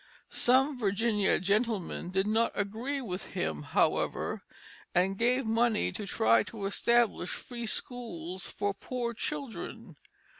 Some Virginia gentlemen did not agree with him, however, and gave money to try to establish free schools for poor children.